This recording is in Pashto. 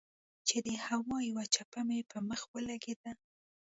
چې د هوا يوه چپه مې پۀ مخ ولګېده